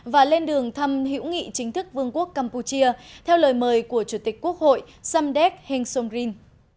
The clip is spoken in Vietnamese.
và lên đường thăm hiếu nghị chính thức vương quốc campuchia theo lời mời của chủ tịch quốc hội samdek hengsomrin